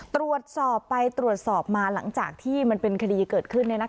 ตรวจสอบไปตรวจสอบมาหลังจากที่มันเป็นคดีเกิดขึ้น